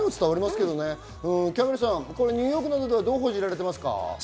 キャンベルさん、ニューヨークではどう報じられていますか？